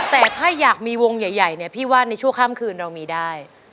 แต่ถ้าอยากมีวงใหญ่เนี่ยพี่ว่าในชั่วข้ามคืนเรามีได้